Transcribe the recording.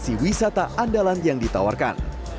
lokasi wisata andalan yang ditawarkan